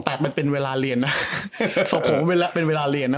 แต่มันเป็นเวลาเรียนนะแต่ผมว่าเวลาเป็นเวลาเรียนนะ